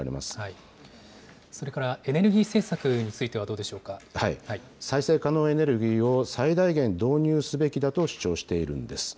それからエネルギー政策につ再生可能エネルギーを最大限導入すべきだと主張しているんです。